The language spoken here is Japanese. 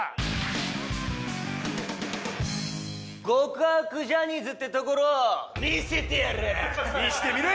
極悪ジャニーズってところを見せてやる！